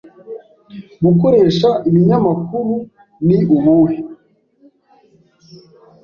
Gukoresha ibinyamakuru ni ubuhe?